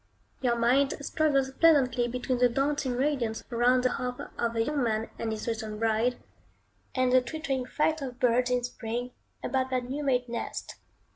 Your mind struggles pleasantly between the dancing radiance round the hearth of a young man and his recent bride, and the twittering flight of birds in spring, about their new made nest.